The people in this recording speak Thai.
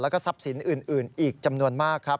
แล้วก็ทรัพย์สินอื่นอีกจำนวนมากครับ